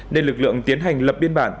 nên lực lượng tiến hành lập biên bản